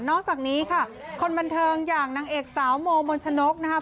อกจากนี้ค่ะคนบันเทิงอย่างนางเอกสาวโมมนชนกนะครับ